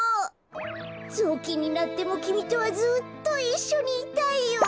ぞうきんになってもきみとはずっといっしょにいたいよ。